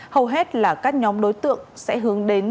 hầu hết là các nhóm đối tượng sẽ hướng đến